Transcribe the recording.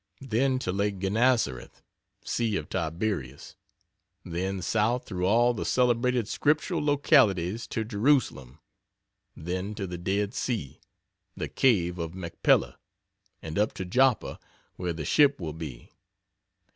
then to Lake Genassareth (Sea of Tiberias,) then South through all the celebrated Scriptural localities to Jerusalem then to the Dead Sea, the Cave of Macpelah and up to Joppa where the ship will be.